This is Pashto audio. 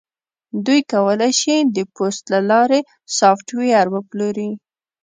دوی کولی شي د پوست له لارې سافټویر وپلوري